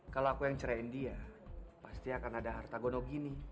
kalau aku yang ceraiin dia pasti akan ada harta gonogini